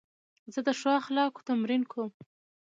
زه د ښو اخلاقو تمرین کوم.